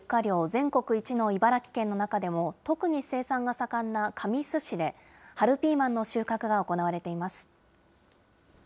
全国一の茨城県の中でも特に生産が盛んな神栖市で、春ピーマンの収穫が行われています。